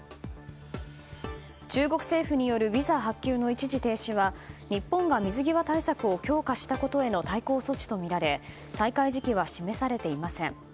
中国政府によるビザ発給の一時停止は日本が水際対策を強化したことへの対抗措置とみられ再開時期は示されていません。